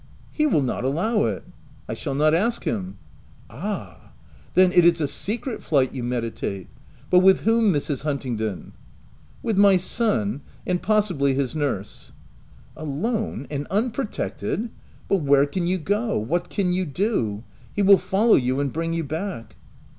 " He will not allow it." " I shall not ask him." "Ah, then, it is a secret flight you meditate !— but with whom, Mrs. Hunting don?" " With my son — and, possibly, his nurse." " Alone — and unprotected ! But where can you go? what can you do? He will follow you and bring you back."